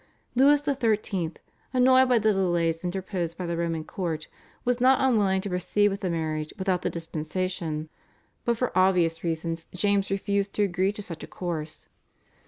Louis XIII., annoyed by the delays interposed by the Roman court, was not unwilling to proceed with the marriage without the dispensation, but for obvious reasons James refused to agree to such a course.